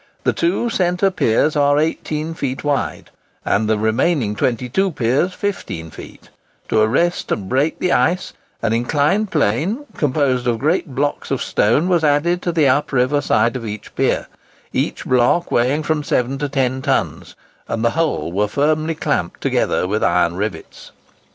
The two centre piers are eighteen feet wide, and the remaining twenty two piers fifteen feet; to arrest and break the ice, an inclined plane, composed of great blocks of stone, was added to the up river side of each pier—each block weighing from seven to ten tons, and the whole were firmly clamped together with iron rivets.